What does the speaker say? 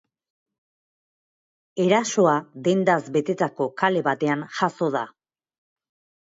Erasoa dendaz betetako kale batean jazo da.